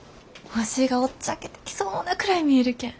星がおっちゃけてきそうなくらい見えるけん。